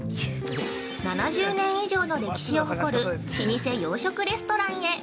◆７０年以上の歴史を誇る老舗洋食レストランへ。